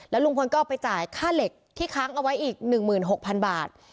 ลุงพลก็ไปจ่ายค่าเหล็กที่ค้างเอาไว้อีก๑๖๐๐๐บาท